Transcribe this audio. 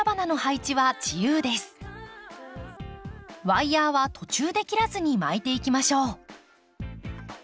ワイヤーは途中で切らずに巻いていきましょう。